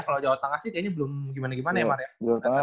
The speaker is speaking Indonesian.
kalau jawa tengah sih kayaknya belum gimana gimana ya mar ya